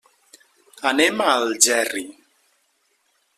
Anem a Algerri.